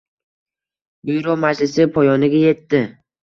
Byuro majlisi poyoniga yetdi